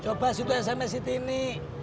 coba situ sms si tini